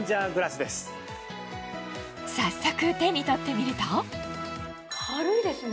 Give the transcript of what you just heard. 早速手に取ってみると軽いですね。